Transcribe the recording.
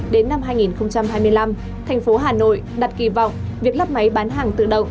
đến năm hai nghìn hai mươi năm thành phố hà nội đặt kỳ vọng việc lắp máy bán hàng tự động